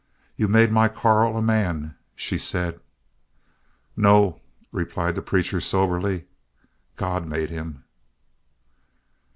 "You made my Karl a man," she said. "No," replied the preacher, soberly, "God made him."